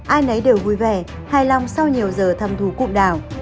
ai nấy đều vui vẻ hài lòng sau nhiều giờ thăm thù cụm đảo